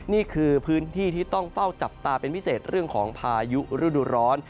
นี่คือพื้นที่ที่ต้องเฝ้าจับตาเป็นพิเศษเรื่องของพายุฤดูร้อน